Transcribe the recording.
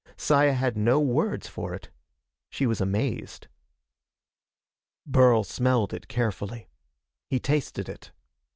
Saya had no words for it. She was amazed. Burl smelled it carefully. He tasted it.